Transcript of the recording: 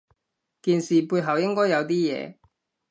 件事背後應該有啲嘢